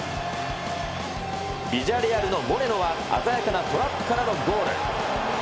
ビジャレアルのモレノは、鮮やかなトラップからのゴール。